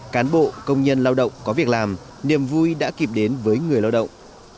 cộng công nhân lao động có việc làm niềm vui đã kịp đến với người lao động